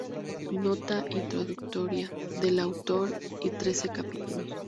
Nota introductoria del autor y trece capítulos.